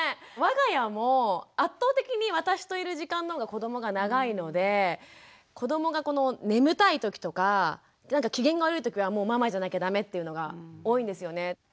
我が家も圧倒的に私といる時間の方が子どもが長いので子どもがこの眠たい時とかなんか機嫌が悪い時はもうママじゃなきゃ駄目っていうのが多いんですよね。